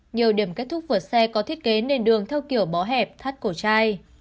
nhiều điểm kết thúc vượt xe có thiết kế nên đường theo kiểu bó hẹp thắt cổ chai